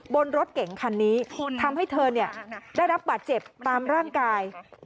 บนรถเก่งคันนี้ทำให้เธอได้รับบาดเจ็บตามร่างกาย